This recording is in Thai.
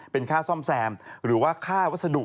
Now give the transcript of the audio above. เป็นค่าซ่อมแซมหรือว่าค่าวัสดุ